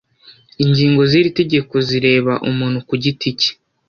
ingingo z iri tegeko zireba umuntu ku giti cye